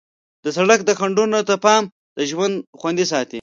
د سړک خنډونو ته پام د ژوند خوندي ساتي.